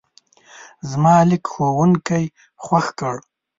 زما لیک ښوونکی خوښ کړ.